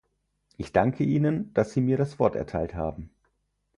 Ich danke Ihnen, dass Sie mir das Wort erteilt haben.